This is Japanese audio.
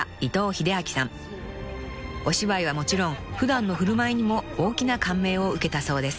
［お芝居はもちろん普段の振る舞いにも大きな感銘を受けたそうです］